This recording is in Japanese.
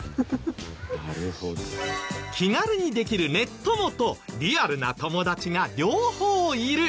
気軽にできるネッ友とリアルな友達が両方いる。